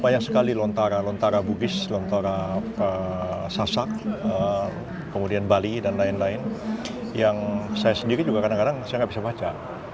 banyak sekali lontara lontara bugis lontara sasak kemudian bali dan lain lain yang saya sendiri juga kadang kadang saya nggak bisa baca